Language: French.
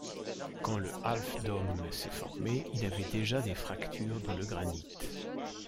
Quand le Half Dome s’est formé, il avait déjà des fractures dans le granite.